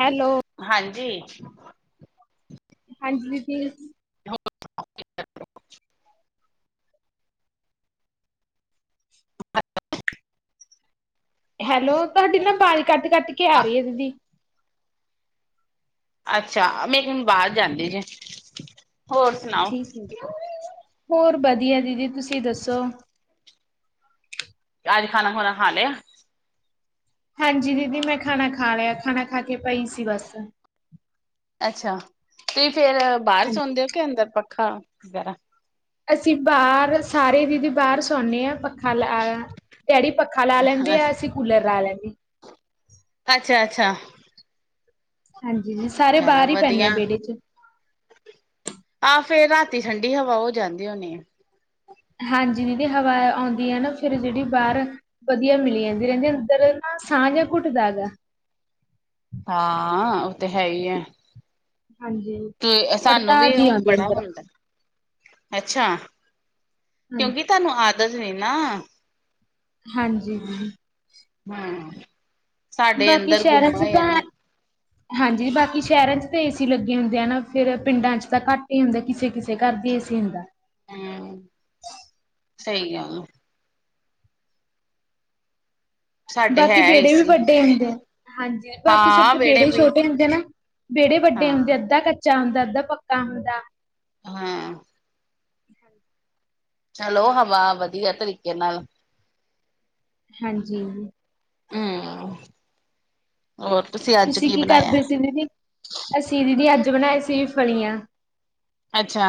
Hello ਹਾਂਜੀ। ਹਾਂਜੀ ਦੀਦੀ। ਹੁੰ ਅੱਛਾ। ਹੈਲੋ ਤੁਹਾਡੀ ਨਾ ਬਾਜ ਕੱਟ-ਕੱਟ ਕੇ ਆ ਰੀ ਆ ਦੀਦੀ। ਅੱਛਾ ਮੈਂ ਇਕ ਮਿੰਟ ਬਾਰ ਜਾਂਦੀ ਜੇ ਹੋਰ? ਸੁਣਾਓ ਠੀਕ ਏ ਹੋਰ ਵਧੀਆ ਦੀਦੀ ਤੁਸੀਂ ਦੱਸੋ? ਅੱਜ ਖਾਣਾ ਖੁਣਾ ਖਾ ਲਿਆ। ਹਾਂਜੀ ਦੀਦੀ ਮੈਂ ਖਾਣਾ ਖਾ ਲਿਆ ਖਾਣਾ ਖਾ ਕੇ ਪਈ ਸੀ ਬਸ। ਅੱਛਾ ਤੁਸੀਂ ਫੇਰ ਬਾਹਰ ਸੌਦੇ ਹਾਂਜੀ। ਹੋ ਕੇ ਅੰਦਰ ਪੱਖਾ ਵਗੈਰਾ। ਅਸੀਂ ਬਾਹਰ ਸਾਰੇ ਦੀਦੀ ਬਾਹਰ ਸੌਦੇ ਹਾਂ ਪੱਖ ਪੱਖਾ ਲਾ ਡੈਡੀ ਪੱਖਾ ਲਾ ਲੈਂਦੇ ਆ ਅਸੀਂ ਕੂਲਰ ਲਾ ਲੈਂਲਾਗੇ। ਅੱਛਾ ਅੱਛਾ। ਹਾਂਜੀ ਦੀਦੀ ਸਾਰੇ ਚਲੋ ਬਾਹਰ ਹੀ ਪੈਣੇ ਵਧੀਆ ਆ ਵਿਹੜੇ 'ਚ। ਆਹ ਫੇਰ ਰਾਤੀ ਠੰਡੀ ਹਵਾ ਹੋ ਜਾਂਦੀ ਹੋਣੀ ਆ। ਹਾਂਜੀ ਦੀਦੀ ਹਵਾ ਆਉਂਦੀ ਹੈ ਨਾ ਫਿਰ ਜਿਹੜੀ ਬਾਹਰ। ਵਧੀਆ ਮਿਲੀ ਜਾਂਦੀ ਰਹਿੰਦੀ ਅੰਦਰ ਨਾ ਸਾਹ ਜਿਹਾ ਘੁੱਟਦਾ ਹੈਗਾ ਹਾਂ ਓ ਤੇ ਹੈ ਈ ਐ। ਹਾਂਜੀ। ਤੇ ਸਾਨੂੰ ਵੀ ਪੜਤਾਜ ਹੀ ਉਹ ਆਉਂਦੀ ਬੜਾ ਅੰਦਰ। ਹੁੰਦਾ ਅੱਛਾ ਹਾਂਜੀ ਕਿਉਂਕੀ ਤੁਹਾਨੂੰ ਆਦਤ ਨੀ ਨਾ। ਹਾਂਜੀ ਦੀਦੀ। ਹੂੰ ਸਾਡੇ ਬਾਕੀ ਅੰਦਰ ਸ਼ਹਿਰਾਂ ਗੁੰਮਾ 'ਚ ਹੋ ਤਾਂ ਜਾਂਦਾ ਹੈ। ਹਾਂਜੀ ਬਾਕੀ ਸ਼ੈਰਾਂ ਚ ਤਾਂ ਏ ਸੀ ਲੱਗੇ ਹੁੰਦੇ ਆ ਨਾ ਫੇਰ ਪਿੰਡਾਂ ਚ ਤਾਂ ਘੱਟ ਈ ਹੁੰਦਾ ਕਿਸੇ-ਕਿਸੇ ਘਰ ਦੀ ਏ ਸੀ ਹੁੰਦਾ। ਹੂੰ ਸਹੀ [unintelligible] ਸਾਡੇ ਹੈ ਬਾਕੀ ਬੇਹੜੇ ਵੀ ਏਸੀ ਵੱਡੇ ਹੁੰਦੇ ਹਾਂਜੀ ਬਾਕੀ ਹਾਂ ਹਾਡੇ ਵਿਹੜੇ ਬੇੜੇ ਵੀ ਛੋਟੇ ਹੁੰਦੇ ਨਾ ਵੇੜੇ ਵੱਡੇ ਹੁੰਦੇ ਹਾਂ ਅੱਧਾ ਕੱਚਾ ਹੁੰਦਾ ਅੱਧਾ ਪੱਕਾ ਹੁੰਦਾ ਹਾਂ। ਚਲੋ ਹਵਾ ਵਧੀਆ ਤਰੀਕੇ ਨਾਲ ਹਾਂਜੀ ਜੀ। ਹਮ ਹੋਰ ਤੁਸੀਂ ਅੱਜ ਤੁਸੀਂ ਕੀ ਬਣਾਇਆ ਕਰਦੇ ਸੀ ਦੀਦੀ ਅਸੀਂ ਦੀਦੀ ਅੱਜ ਬਣਾਏ ਸੀ। ਫ਼ਲੀਆਂ। ਅੱਛਾ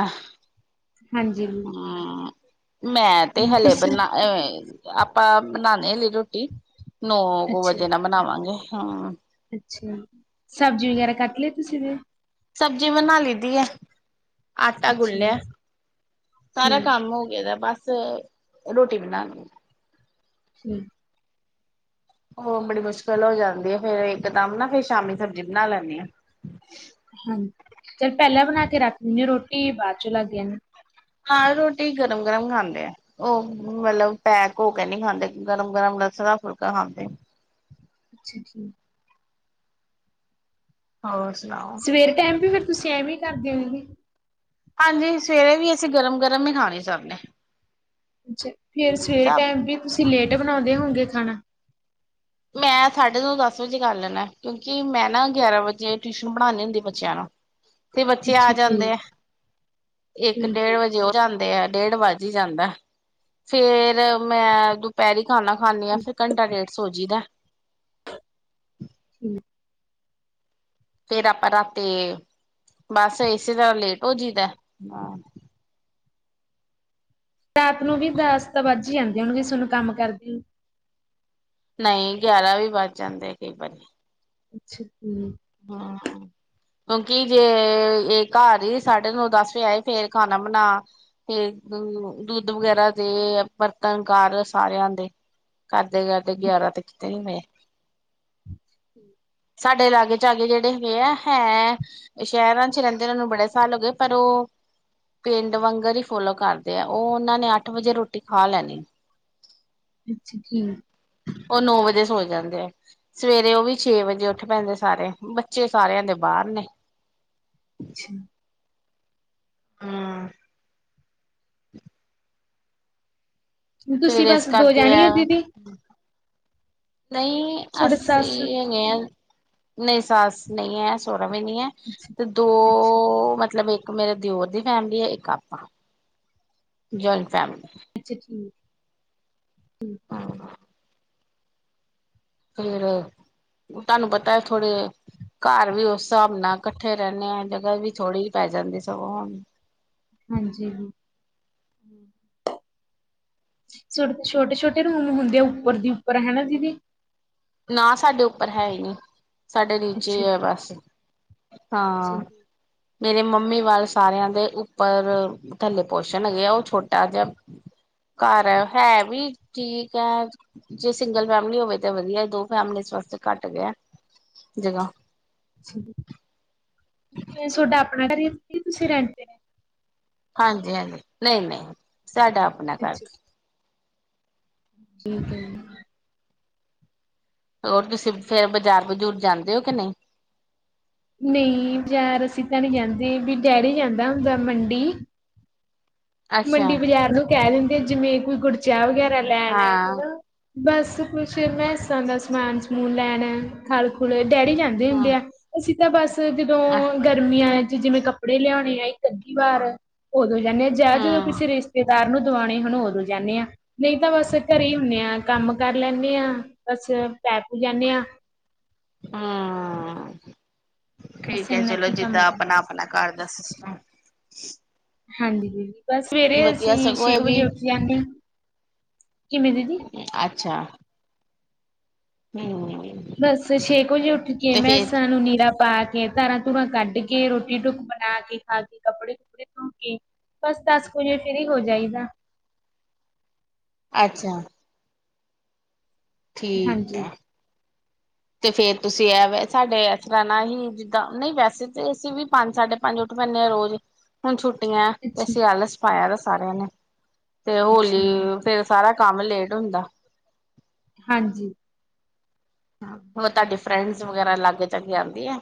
ਹਾਂਜੀ। ਹੂੰ। ਮੈਂ ਤੇ ਹਲੇ ਤੁਸੀਂ, ਬਣਾ ਆਪਾਂ ਬਣਾਉਣੇ ਲਈ ਰੋਟੀ। ਨੌ ਅੱਛਾ ਜੀ, ਵਜੇ ਨਾਲ ਬਣਾਵਾਂਗੇ ਹੂੰ। ਅੱਛਾ ਸਬਜ਼ੀ ਵਗੈਰਾ ਕੱਟ ਲਈ ਤੁਸੀਂ ਦੀਦੀ। ਸਬਜ਼ੀ ਬਣਾ ਲਈ ਦੀ ਹੈ। ਆਟਾ ਅੱਛਾ ਗੁਲਿਆ ਜੀ, ਸਾਰਾ ਠੀਕ, ਕੰਮ ਹੋ ਗਦਾ ਬਸ ਰੋਟੀ ਬਣਾਨੀ। ਹਮ ਹੋ ਬੜੀ ਮੁਸ਼ਕਿਲ ਹੋ ਜਾਂਦੀ ਐ ਫੇਰ ਇੱਕਦਮ ਨਾ ਫੇਰ ਸ਼ਾਮੀ ਸਬਜ਼ੀ ਬਣਾ ਲੈਂਨੀ ਆ। ਹਾਂ ਚੱਲ ਪੈਲਾਂ ਬਣਾ ਕੇ ਰੱਖ ਦਿੰਦੇ ਰੋਟੀ ਬਾਦ ਚੋਂ ਲੱਗ ਜਾਨ ਨਾਲ ਰੋਟੀ ਗਰਮ ਗਰਮ ਖਾਂਦੇ ਆ। ਉਹ ਮਤਲਬ ਪੈਕ ਹੋ ਕੇ ਨਹੀਂ ਖਾਂਦੇ ਗਰਮ ਗਰਮ ਲਸਣ ਦਾ ਫੁਲਕਾ ਖਾਂਦੇ ਹਾਂ। ਅੱਛਾ ਜਠੀਕ ਹੋਰ ਸੁਣਾਓ। ਸਵੇਰੇ ਟਾਈਮ ਵੀ ਫਿਰ ਤੁਸੀਂ ਐਵੇਂ ਈ ਕਰਦੇ [unintelligible] ਹਾਂਜੀ ਸਵੇਰੇ ਵੀ ਅਸੀਂ ਗਰਮ ਗਰਮ ਹੀ ਖਾਣੀ ਸਭ ਨੇ। ਅੱਛਾ ਫੇਰ ਸਵੇਰੇ ਸਭ ਟਾਈਮ ਵੀ ਤੁਸੀਂ ਲੇਟ ਬਣਾਉਂਦੇ ਹੋਗੇ ਖਾਣਾ। ਮੈਂ ਸਾਡੇ ਤੋਂ ਦਸ ਵਜੇ ਕਰ ਲੈਦਾ ਕਿਉਂਕਿ ਮੈਂ ਨਾ ਗਿਆਰਾਂ ਵਜੇ ਟਿਊਸ਼ਨ ਪੜਾਉਂਦੀ ਹੁੰਦੀ ਬੱਚਿਆਂ ਨੂੰ ਤੇ ਬੱਚੇ ਆ ਅੱਛਾ ਠੀਕ ਜਾਂਦੇ ਆ ਇੱਕ ਠੀਕ ਹੈ ਡੇਢ ਵਜੇ ਉਹ ਜਾਂਦੇ ਆ ਡੇਢ ਵੱਜ। ਜੀ ਜਾਂਦਾ ਫੇਰ ਮੈਂ ਦੁਪਹਿਰੀ ਖਾਨਾ ਖਾਂਦੀ ਹਾਂ ਠੀਕ ਫੇਰ ਘੰਟਾ ਡੇਢ ਸੌ। ਜੀ ਦਾ ਠੀਕ ਫੇਰ ਆਪਾਂ ਰਾਤੀ ਬਸ ਇਸੇ ਤਰ੍ਹਾਂ ਲੇਟ ਹੋ ਜਈਦਾ ਹਾਂ। ਰਾਤ ਨੂੰ ਵੀ ਦਸ ਤਾਂ ਵਜ ਈ ਜਾਂਦੀ ਹੋਣਗੇ ਸੋਨੂੰ ਕੰਮ ਕਰਦੀ। ਨਹੀਂ ਗਿਆਰਾਂ ਵੀ ਵੱਜ ਜਾਂਦੇ ਏ ਕਈ ਵਾਰੀ। ਅੱਛਾ ਜੀ। ਹਾਂ। ਕਿਉਂਕਿ ਜੇ ਇਹ ਘਰ ਹੀ ਸਾਡੇ ਨੂੰ ਦਸ ਵਜੇ ਆਏ ਫੇਰ ਖਾਣਾ ਬਣਾ ਤੇ ਅ ਦੁੱਧ ਵਗੈਰਾ ਦੇ ਬਰਤਨ ਕਰ ਸਾਰਿਆਂ ਦੇ। ਕਰਦੇ ਕਰਦੇ ਗਿਆਰਾਂ ਤਾਂ ਕਿਤੇ ਨਹੀਂ ਪਏ ਆਂ। [unintelligible] ਸਾਡੇ ਲਾਗੇ। ਸਾਡੇ ਜਿਹੜੇ ਹੈਗੇ ਆ ਹੈ ਸ਼ਹਿਰਾਂ 'ਚ ਰਹਿੰਦੇ ਉਹ ਨੂੰ ਬੜੇ ਸਾਲ ਹੋ ਗਏ ਪਰ ਉਹ। ਪਿੰਡ ਵਾਂਗਰ ਹੀ ਫੋਲੋ ਕਰਦੇ ਆ ਉਹ ਉਹਨਾਂ ਨੇ ਅੱਠ ਵਜੇ ਰੋਟੀ ਖਾ ਲੈਣੀ। ਹਾਂਜੀ। ਅੱਛਾ ਠੀਕ ਉਹ ਨੌ ਵਜੇ ਸੌ ਜਾਂਦੇ ਆ ਸਵੇਰੇ ਉਹ ਵੀ ਛੇ ਵਜੇ ਉੱਠ ਪੈਂਦੇ ਸਾਰੇ। ਬੱਚੇ ਸਾਰਿਆਂ ਦੇ ਬਾਰ ਨੇ। ਅੱਛਾ ਹਾਂ। ਫੇਰ ਤੁਸੀਂ ਏਸ ਬਸ ਦੋ ਕਰਕੇ ਜਾਣੇ ਹੋ ਐ। ਦੀਦੀ ਨਹੀਂ ਤੁਹਾਡੇ ਸੱਸ। ਅਸੀਂ ਹੈਗੇ ਹਾਂ। ਨਹੀਂ ਸੱਸ ਨਹੀਂ ਹੈ ਸਹੁਰਾ ਵੀ ਨਹੀਂ ਹੈ ਅੱਛਾ ਤੇ ਦੋ ਅੱਛਾ ਮਤਲਬ ਇੱਕ। ਇੱਕ ਮੇਰੇ ਦਿਓਰ ਦੀ ਫੈਮਿਲੀ ਐ ਇੱਕ ਆਪਾਂ ਜਆਇੰਟ ਫੈਮਿਲੀ। ਅੱਛਾ ਠੀਕ ਠੀਕ। ਫੇਰ ਤੁਹਾਨੂੰ ਪਤਾ ਹੈ ਥੋੜੇ। ਘਰ ਵੀ ਉਸ ਹਿਸਾਬ ਨਾਲ ਇਕੱਠੇ ਰਹਿੰਦੇ ਆਾਂ ਜਗ੍ਹਾ ਵੀ ਥੋੜ੍ਹੀ ਜ ਪੈ ਜਾਂਦੀ ਸਗੋਂ ਹਣ ਹਾਂਜੀ। ਸੋਡ ਛੋਟੇ-ਛੋਟੇ ਰੂਮ ਹੁੰਦੇ ਆ ਉੱਪਰ ਦੀ ਉੱਪਰ ਹੈਨਾ ਦੀਦੀ। ਨਾ ਸਾਡੇ ਉੱਪਰ ਹੈ ਈ ਨੀ। ਸਾਡੇ ਨੀਚੇ ਅੱਛਾ ਈ ਐ ਜੀ ਬਸ ਅੱਛਾ ਹਾਂ। ਜੀ। ਮੇਰੇ ਮੰਮੀ ਵੱਲ ਸਾਰਿਆਂ ਦੇ ਉੱਪਰ। ਥੱਲੇ ਪੋਰਸ਼ਨ ਹੈਗੇ ਆ, ਉਹ ਛੋਟਾ ਜਿਹਾ। ਘਰ ਹੈ ਵੀ ਠੀਕ ਹੈ, ਜੇ ਸਿੰਗਲ ਫੈਮਲੀ ਹੋਵੇ ਤਾਂ ਵਧੀਆ। ਦੋ ਫੈਮਲੀਜ ਵਾਸਤੇ ਘੱਟ ਗਿਆ ਐ, ਜਗ੍ਹਾ। ਏ ਸੋਡਾ ਆਪਣਾ ਘਰ ਹੈ, ਯਾ ਤੁਸੀਂ ਰੈਂਟ ਤੇ ਹਾਂਜੀ-ਹਾਂਜੀ, ਨਈ-ਨਈ, ਸਾਡਾ ਆਪਣਾ ਘਰ। ਅੱਛਾ। ਠੀਕ ਹੈ ਜੀ। ਹੋਰ ਤੁਸੀਂ ਫੇਰ ਬਜ਼ਾਰ ਬਜੂਰ ਜਾਂਦੇ ਔ, ਕਿ ਨਈ? ਨਈ ਯਾਰ, ਅਸੀਂ ਤਾਂ ਨੀ ਜਾਂਦੇ, ਵੀ ਡੈਰੀ ਜਾਂਦਾ ਹੁੰਦਾ ਮੰਡੀ। ਅੱਛਾ ਮੰਡੀ ਬਾਜ਼ਾਰ ਨੂੰ ਕਹਿ ਦਿੰਦੇ ਜਿਵੇਂ ਕੋਈ ਗੁੜ ਚਾਹ ਵਗੈਰਾ ਲੈਣਾ ਹਾਂ। ਹਨਾ ਬਸ ਕੁਛ ਮੈਂਸਾ ਦਾ ਸਮਾਨ ਸਮੂਨ ਲੈਣਾ ਖਲ ਖੁਲ, ਡੈਡੀ ਜਾਂਦੇ। [unintelligible] ਹੁੰਦੇ ਆ ਅਸੀਂ ਤਾਂ ਬਸ ਜਦੋਂ ਆਹ। ਗਰਮੀਆਂ 'ਚ ਜਿਵੇਂ ਕੱਪੜੇ ਲਿਆਉਣੇ ਆਂ ਇੱਕ ਅੱਧੀ ਵਾਰ, ਉਦੋਂ ਜਾਂਨੇ ਆਂ ਜਾਂ। ਜਦੋਂ ਹਮ ਕਿਸ ਰਿਸ਼ਤੇ। ਘਰ ਨੂੰ ਦਵਾਉਣੇ ਹੁਣ ਹੋਰ ਹੋ ਜਾਂਨੇ ਹਾਂ। ਨਈ ਤਾਂ ਬਸ ਘਰੇ ਈ ਹੁੰਨੇ ਆ, ਕੰਮ ਕਰ ਲੈਂਨੇ ਆ, ਬਸ ਪੈ ਪੁ ਜਾਂਨੇ ਆ। ਹਾਂ ਬਸ ਠੀਕ ਹੈ ਇੰਨਾ ਚਲੋ ਕੀ ਕੰਮ ਜਿੱਦਾਂ ਕਰ ਆਪਣਾ ਆਪਣਾ ਘਰ ਦਾ ਸਿਸਟਮ। ਹਾਂਜੀ, ਦੀਦੀ ਬਸ ਸਵੇਰੇ ਵਧੀਆ ਅਸੀਂ ਸਗੋਂ ਛੇ ਇਹ ਕੁ ਵਜੇ ਵੀ ਉੱਠ। ਜਾਨੇ ਆਂ, ਕਿਵੇਂ ਦੀਦੀ ਅੱਛਾ। ਨਹੀ ਹੋਣਗੇ। ਬਸ ਛੇ ਕੁ ਵਜੇ ਉੱਠ ਕੇ, ਮੈਂ ਸਾਨੂੰ ਨੀਰਾ ਪਾਰਕ ਧਾਰਾਂ ਧਾਰਾਂ ਕੱਢ ਕੇ, ਰੋਟੀ ਟੁੱਕ ਬਣਾ ਕੇ, ਖਾ ਕੇ, ਕੱਪੜੇ ਕੁੱਪੜੇ ਧੋ ਕੇ ਬਸ ਦਸ ਕੁ ਜੇ ਫਰੀ ਹੋ ਜਾਈਦਾ। ਅੱਛਾ। ਠੀਕ ਹਾਂਜੀ ਏ। ਤੇ ਫੇਰ ਤੁਸੀਂ ਐ ਸਾਡੇ ਇਸ ਤਰ੍ਹਾਂ ਨਾਲ ਹੀ ਜਿੱਦਾਂ ਨਹੀਂ ਵੈਸੇ ਤੇ ਅਸੀਂ ਵੀ ਪੰਜ ਸਾਡੇ ਪੰਜ ਉੱਠ, ਪੈਂਨੇ ਆ ਰੋਜ਼ ਹੁਣ ਛੁੱਟੀਐ, ਤੇ ਅੱਛਾ ਅਸੀ ਆਲਸ ਪਾਇਆ ਦਾ ਸਾਰਿਆਂ ਨੇ ਤੇ ਅੱਛਾ ਹੋਲੀ ਫੇਰ ਸਾਰਾ ਕੰਮ ਲੇਟ ਹੁੰਦਾ। ਹਾਂਜੀ। ਹੋਰ ਤੁਹਾਡੇ ਫਰੈਂਡਸ ਵਗੈਰਾ ਲਾਗੇ ਜਾ ਕੇ ਆਉਂਦੀ ਆ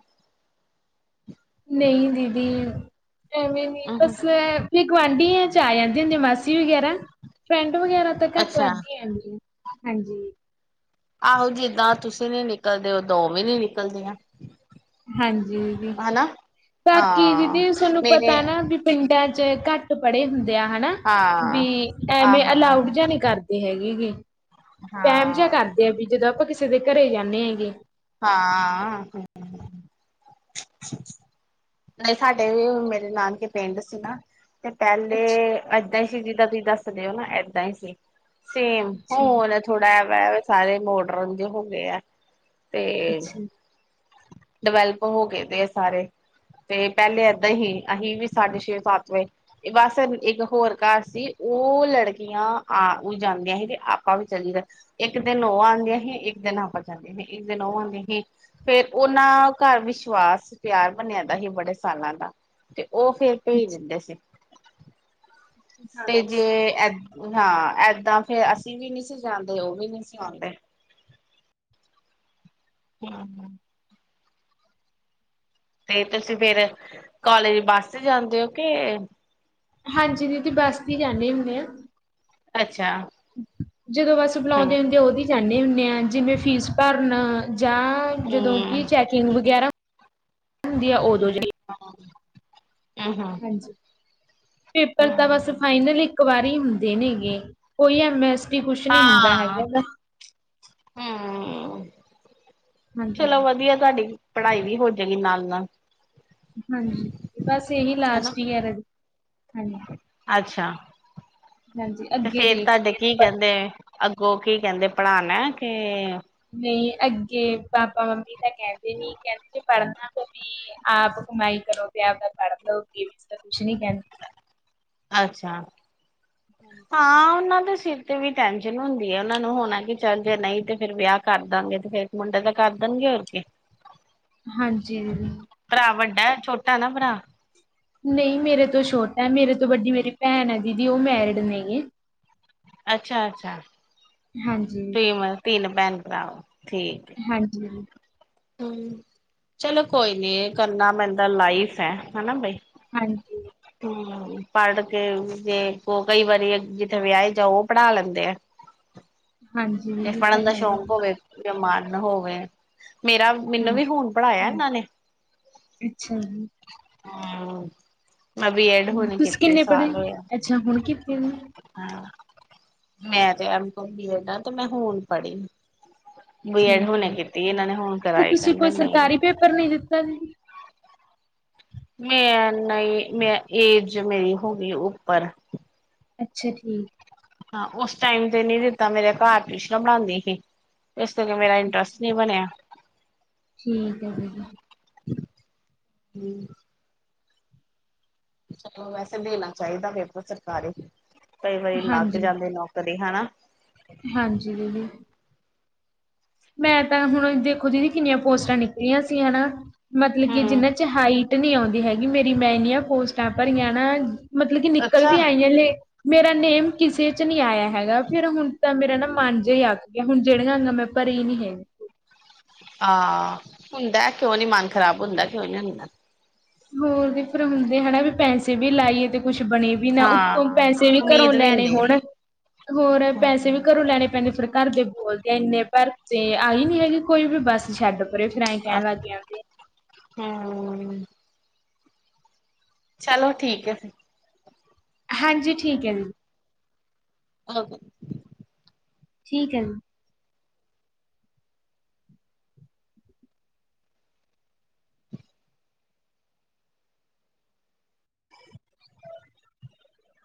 ਨਹੀਂ, ਦੀਦੀ ਐਵੇਂ ਨੀ ਹਮ ਬਸ ਏ ਫਿਰ ਗੁਆਂਢੀਆਂ ਚ ਆ ਜਾਂਦੇ ਹੁੰਦੀ, ਮਾਸੀ ਵਗੈਰਾ ਫਰੈਂਡ, ਫਰੈਂਡਸ ਵਗੈਰਾ ਤਾਂ ਘੱਟ ਅੱਛਾ ਵੱਧ ਹੀ ਆਂਦੀਆਂ, ਹਾਂਜੀ ਆਹੋ ਜਿੱਦਾਂ ਤੁਸੀਂ ਨੀ ਨਿਕਲਦੇ, ਓਦਾਂ ਔ ਵੀ ਨੀ ਨਿਕਲਦੀਆਂ। ਹਾਂਜੀ ਦੀਦੀ, ਹਨਾ ਬਾਕੀ ਹਾਂ ਦੀਦੀ ਸੋਨੂੰ ਪਤਾ ਮੇਰੇ ਨਾ ਵੀ ਪਿੰਡਾਂ ਚ ਘੱਟ ਪੜ੍ਹੇ ਹੁੰਦੇ ਆ, ਹੈਨਾ ਹਾਂ ਵੀ ਐਵੇਂ ਆਹੋ ਅਲਾਊਡ ਆਹੋ ਜਾਂ ਨਹੀਂ ਕਰਦੇ ਇਹ ਹੈਗੀ ਗੇ, ਵੈਮ ਜਿਹਾ ਹਾਂ ਕਰਦੇ ਆ ਵੀ ਜਦੋਂ ਆਪਾਂ ਕਿਸੇ ਦੇ ਘਰੇ ਜਾਂਦੇ ਹੈਗੇ। ਹਾਂ ਨਹੀਂ ਸਾਡੇ ਵੀ, ਮੇਰੇ ਨਾਨਕੇ ਪਿੰਡ ਸੀ ਨਾ ਤੇ ਪਹਿਲੇ ਅੱਛਾ, ਏਦਾਂ ਹੀ ਸੀ, ਜਿੱਦਾਂ ਤੁਸੀਂ ਦੱਸਦੇ ਹੋ ਨਾ ਏਦਾਂ ਹੀ ਸੀ ਸੇਮ ਅੱਛਾ, ਹੁਣ ਥੋੜਾ ਐ ਵੈ, ਸਾਰੇ ਮੋਡਰਨ ਜੇ ਹੋ ਗਏ ਐ ਤੇ ਅੱਛਾ, ਡਿਵੈਲਪ ਹੋ ਗਏ ਦੇ ਆ ਸਾਰੇ, ਤੇ ਪਹਲੇ ਏਦਾਂ ਹੀ ਅਸੀਂ, ਵੀ ਸਾਢੇ ਥੇ ਸਾਥ ਮੇ ਬਸ ਇੱਕ ਹੋਰ ਘਰ ਸੀ ਉਹ ਲੜਕੀਆਂ ਆ ਉ ਜਾਂਦੀਆਂ ਸੀ ਤੇ ਆਪਾਂ ਵੀ ਚਲੀ ਇੱਕ ਦਿਨ ਉਹ ਆਉਂਦੀਆਂ ਹੀ, ਇੱਕ ਦਿਨ ਆਪ ਜਾਂਦੀਆਂ ਸੀ ਇੱਕ ਦਿਨ ਉਹ ਆਉਂਦੀਆਂ ਹੀ ਫੇਰ ਉਹਨਾਂ ਘਰ ਵਿਸ਼ਵਾਸ, ਪਿਆਰ ਬਣਿਆ ਦਾ ਸੀ ਬੜੇ ਸਾਲਾਂ ਦਾ ਤੇ ਉਹ ਫੇਰ ਭੇਜ ਅੱਛਾ। ਦਿੰਦੇ ਅਸੀ। ਤੇ ਹਾਂ, ਜੇ ਏ ਹਾਂ, ਏਦਾਂ ਫੇਰ ਅਸੀਂ ਵੀ ਨੀ ਸੀ ਜਾਂਦੇ ਉਹ ਵੀ ਨੀ ਸੀ ਆਉਂਦੇ। [unintelligible] ਤੇ ਤੁਸੀਂ ਫੇਰ, ਕਾਲਜ ਬੱਸ ਚ ਜਾਂਦੇ ਹੋ ਕੇ ਹਾਂਜੀ ਦੀਦੀ ਬੱਸ ਦੀ ਹੀ ਜਾਂਨੇ ਹੁੰਦੇ ਆ ਅੱਛਾ ਜਦੋਂ ਬਸ ਹਮ ਬੁਲਾਉਂਦੇ ਹੁੰਦੇ ਆ ਉਦੀ ਜਾਂਦੇ ਹੁੰਦੇ ਆ ਜਿਵੇਂ ਫੀਸ ਭਰਨ ਜਾਂ ਜਦੋਂ ਕਿ ਹਮ ਚੈਕਿੰਗ ਵਗੈਰਾ ਹੁੰਦੀ ਏ ਉਦੋਂ ਵੀ ਇ-ਹੂੰ। ਪੇਪਰ ਤਾਂ ਬਸ ਫਾਈਨਲ ਹੀ ਕਵਾਰੀ ਹੁੰਦੇ ਨੇਗੇ ਕੋਈ ਐਮ ਐਸ ਟੀ, ਕੁਛ ਨੀ ਹੁੰਦਾ ਹੈਗਾ ਹੂ, ਹਾਂਜੀ, ਚਲੋ ਵਧੀਆ ਤੁਹਾਡੀ ਪੜ੍ਹਾਈ ਵੀ ਹੋਜੇਗੀ ਨਾਲ-ਨਾਲ ਹਾਂਜੀ, ਬਸ ਇਹੀ ਹਨਾ। ਲਾਸਟ ਈਅਰ ਹੈ, ਹਾਂਜੀ ਅੱਛਾ, ਹਾਂਜੀ ਤੇ ਅੱਗੇ ਫੇਰ ਤੁਹਾਡੇ ਦੇਖਦੇ ਆ ਕੀ ਪਰ ਕੈਂਦੇ ਐ ਅੱਗੋਂ ਕੀ ਕਹਿੰਦੇ ਪੜ੍ਹਾਣਾ ਕਿ ਨਈ ਅੱਗੇ ਪਾਪਾ ਮੰਮੀ ਤਾਂ ਕੇਂਦੇ ਨੀ, ਕੇਂਦੇ ਜੇ ਪੜ੍ਹਨਾ ਤਾਂ ਵੀ ਆਪ ਕਮਾਈ ਕਰੋ ਤੇ ਆਪ ਦਾ ਪੜ ਲਓ ਵੀ ਤਾਂ ਕੁਛ ਨੀ ਕਹਿੰਦੇ। ਅੱਛਾ। [inaudible] ਹਾਂ ਉਹਨਾਂ ਦੇ ਸਿਰ ਤੇ ਵੀ ਟੈਸ਼ਨ ਹੁੰਦੀ ਹੈ ਉਹਨਾਂ ਨੂੰ ਹੋਣਾ ਕਿ ਚੱਲ ਜੇ ਨਹੀਂ ਤੇ ਫਿਰ ਵਿਆਹ ਕਰ ਦਾਂਗੇ ਤੇ ਫ ਮੁੰਡਾ ਤਾਂ ਕੱਦਨ ਗੇਓਰ ਕੇ ਹਾਂਜੀ। ਭਰਾ ਵੱਡਾ ਛੋਟਾ ਨਾ ਭਰਾ ਨਹੀਂ, ਮੇਰੇ ਤੋਂ ਛੋਟਾ ਮੇਰੇ ਤੋਂ ਵੱਡੀ ਮੇਰੀ ਭੈਣ ਹੈ ਦੀਦੀ, ਉਹ ਮੈਰਿਡ ਨਹੀ ਹੈ। ਅੱਛਾ-ਅੱਛਾ। ਹਾਂਜੀ। ਤੀਨ ਤਿੰਨ ਬੈਨਕ ਦਾ ਠੀਕ ਹਾਂਜੀ ਹੂੰ ਚਲੋ ਕੋਈ ਨੀ ਕਰਨਾ ਬੈਂਦਾ ਲਾਈਫ ਐ ਹਨਾ ਬਾਈ। ਹਾਂਜੀ। ਹੂੰ ਪੜ ਕੇ ਜੇ ਕੋ ਕਈ ਵਾਰੀ ਜਿੱਥੇ ਵਿਆਏ ਜਾਓ ਓ ਪੜ੍ਹਾ ਲੈਂਦੇ ਅਤ। ਹਾਂਜੀ ਜੇ ਦੀਦੀ ਇਹ ਤਾਂ ਪੜ੍ਹਨ ਦਾ ਹੈਗਾ ਸ਼ੌਂਕ ਹੋਵੇ ਜ ਮਨ ਹੋਵੇ ਮੇਰਾ ਮੈਨੂੰ ਵੀ ਹਾਂਜੀ। ਹੁਣ ਪੜ੍ਹਾਇਆ ਇਹਨਾਂ ਨੇ ਅੱਛਾ ਜ ਹਮ ਮੈਂ ਬੀ ਐਡ ਹੋਣੀ ਤੁਸੀਂ ਕੀਤੀ ਕਿੰਨੇ ਪੜ੍ਹੇ ਸਾਲ ਹੋਇਆ ਅੱਛਾ, ਹੁਣ ਕੀਤੇ ਨੇ ਹਾਂ, ਮੈਂ ਤੇ ਐਮ ਕੌਮ, ਬੀ ਐਡ ਆ ਤੇ, ਮੈਂ ਹੁਨ ਪੜ੍ਹੀ। ਬੀ ਐਡ ਠੀਕ ਏ, ਹੁਣੇ ਕੀਤੀ ਇਹਨਾਂ ਨੇ ਹੁਣ ਤੇ ਕਰਾਈ ਤੁਸੀਂ ਕਹਿੰਦੇ ਕੋਈ ਨਹੀਂ ਸਰਕਾਰੀ ਪੇਪਰ ਨੀ ਦਿੱਤਾ ਦੀਦੀ। ਮੈਂ ਨਹੀਂ ਮੈਂ ਏਜ ਮੇਰੀ ਹੋ ਗਈ ਉੱਪਰ। ਅੱਛਾ ਠੀਕ। ਹਾਂ, ਉਸ ਟਾਈਮ ਤੇ ਨੀ ਦਿੱਤਾ ਮੇਰਾ ਘਰ ਟਿਊਸ਼ਨਾ ਪਣਾਉਂਦੀ ਸੀ। ਇਸ ਕਰਕੇ ਮੇਰਾ ਅੱਛਾ ਇੰਟਰਸਟ ਨਹੀਂ ਬਣਿਆ। ਠੀਕ ਹੈ ਦੀਦੀ। ਹਮ ਚਲੋ ਵੈਸੇ ਦੇਣਾ ਚਾਹੀਦਾ ਵੇ ਸਰਕਾਰੀ ਕਈ ਵਾਰੀ ਲੱਗ ਹਾਂਜੀ ਜਾਂਦੇ ਨੌਕਰੀ ਹੈਨਾ ਹਾਂਜੀ ਦੀਦੀ। ਮੈਂ ਤਾਂ ਹੁਣ ਦੇਖੋ ਦੀਦੀ ਕਿੰਨੀਆਂ ਪੋਸਟਾਂ ਨਿਕਲੀਆਂ ਸੀ ਹਨਾ ਮਤਲਬ ਕੀ ਹੂੰ ਜਿਨਾਂ ਚ ਹਾਈ ਨਹੀਂ ਆਉਂਦੀ ਹੈਗੀ ਮੇਰੀ ਮੈਂਨੀਆਂ ਪੋਸਟਾਂ ਭਰੀਆਂ ਨਾ ਮਤਲਬ ਕਿ ਨਿਕਲ ਅੱਛਾ। ਵੀ ਆਈਆਂ ਲ ਮੇਰਾ ਨੇਮ ਕਿਸੇ ਚ ਨਹੀਂ ਆਇਆ ਹੈਗਾ ਫੇਰ ਹੁਣ ਤਾਂ ਮੇਰਾ ਨਾ ਮਨ ਜਿ ਹੀ ਆਕ ਗਿਆ ਹੁਣ ਜਿਹੜੀਆਂ ਅਗਾਂ ਮੈਂ ਪਰ ਇਹ ਨੀ ਹੈ। ਆਹ ਹੁੰਦਾ ਕਿਉ ਨੀ ਮਨ ਖ਼ਰਾਬ ਹੁੰਦਾ ਕਿਉਂ ਨੀ ਹੁੰਦਾ ਹੋਰ ਤੇ ਫੇਿਰ ਹੁੰਦੇ ਹਨਾ ਵੀ ਪੈਸੇ ਵੀ ਲਾਈਏ ਤੇ ਕੁਛ ਬਣੇ ਵੀ ਨਾ ਉੱਤੋਂ ਹਾਂ ਪੈਸੇ ਵੀ ਘਰੋਂ ਉਮੀਦ ਲੈਣੇ ਹੁੰਦੀ ਹੁਣ। ਹੋਰ ਐ। ਪੈਸੇ ਵੀ ਘਰੋਂ ਲੈਣੇ ਪੈਂਦੇ ਫਿਰ ਘਰ ਦੇ ਬੋਲਦੇ ਇੰਨੇ ਭਰ ਤੇ ਆਈ ਨੀ ਹੈਗੇ ਕੋਈ ਵੀ ਬੱਸ ਛੱਡ ਪਰੇ ਫਿਰ ਏ ਕਹਿਣ ਲੱਗ ਗਈਆਂ। ਹਮ ਚਲੋ ਠੀਕ ਹੈ ਫਿਰ ਹਾਂਜੀ ਠੀਕ ਹੈ। [unintelligible] ਠੀਕ ਹੈ।